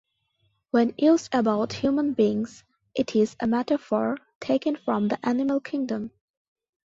When used about human beings it is a metaphor taken from the animal kingdom.